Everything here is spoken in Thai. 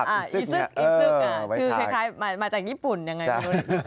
อิซึกค่ะชื่อคล้ายมาจากญี่ปุ่นยังไง